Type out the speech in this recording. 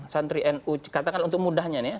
santri nu katakan untuk mudahnya nih ya